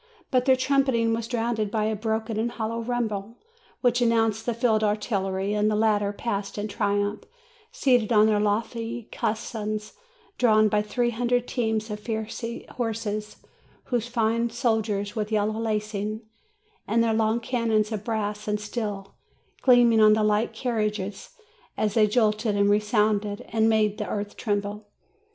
But their trumpeting was drowned by a broken and hollow rumble, which announced the field artillery ; and the latter passed in triumph, seated on their lofty caissons, drawn by three hundred teams of fiery horses, those fine soldiers with yellow lacings, and their long cannons of brass and steel gleaming on the light carriages, as they jolted and resounded, and made the earth tremble.